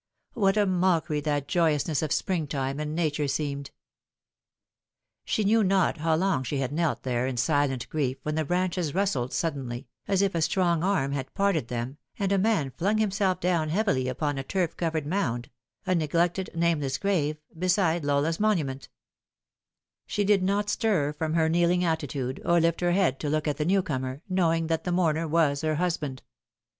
What a mockery that joyousness of spring time and Nature seemed I She knew not how long she had knelt there in silent grief when the branches rustled suddenly, as if a strong arm had parted them, and a man flung himself down heavily upon a turf covered 72 The Fatal Three. mound a neglected, nameless grave beside Lola's monumen* She did not stir from her kneeling attitude, or lift her head to look at the new comer, knowing that the mourner was her hus band.